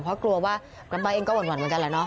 เพราะกลัวว่ากรัฟไบท์เองก็หวั่นเหมือนกันแล้วเนอะ